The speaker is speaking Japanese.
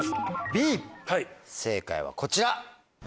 正解はこちら。